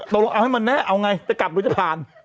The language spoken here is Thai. ตกลงเอาให้มันแน่เอาไงจะกลับหรือจะผ่าน